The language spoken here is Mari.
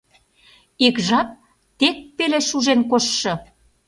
Ик жап тек пеле шужен коштшо...